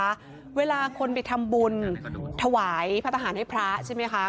กลัวคนเลยนะคะเวลาคนไปทำบุญถวายพระทหารให้พระใช่ไหมคะ